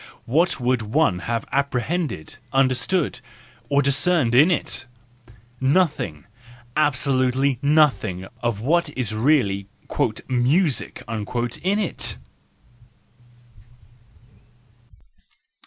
What would one have apprehend© understood, or discerned in it! Nothing, absolute! nothing of what is really " music " in it!